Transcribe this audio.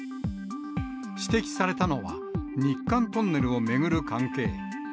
指摘されたのは、日韓トンネルを巡る関係。